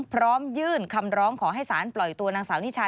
พร้อมยื่นคำร้องขอให้สารปล่อยตัวนางสาวนิชา